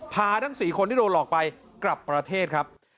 ทั้ง๔คนที่โดนหลอกไปกลับประเทศครับ